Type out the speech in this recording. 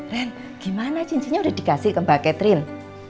ren gimana cincinnya udah dikasih ke mbak catril